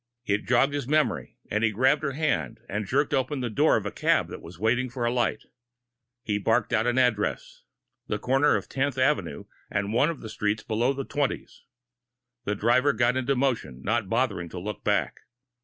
It joggled his memory, and he grabbed her hand and jerked open the door of a cab that was waiting for the light. He barked out an address the corner of Tenth Avenue and one of the streets below Twentieth. The driver got into motion, not bothering to look back.